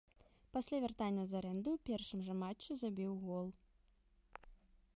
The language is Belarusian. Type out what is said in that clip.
Пасля вяртання з арэнды ў першым жа матчы забіў гол.